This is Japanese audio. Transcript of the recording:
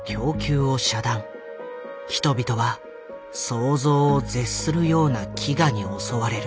人々は想像を絶するような飢餓に襲われる。